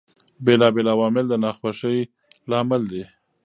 بېلابېل عوامل د ناخوښۍ لامل دي.